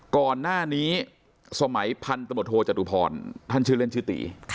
ก่อนหน้านี้สมัยพันธมตโทจตุพรท่านชื่อเล่นชื่อตี